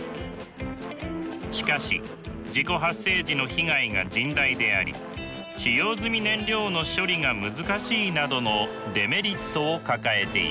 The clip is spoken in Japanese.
しかし事故発生時の被害が甚大であり使用済み燃料の処理が難しいなどのデメリットを抱えています。